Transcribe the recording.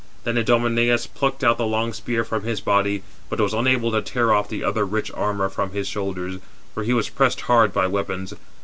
Then Idomeneus plucked out the long spear from his body, but was unable to tear off the other rich armour from his shoulders, for he was pressed hard by weapons.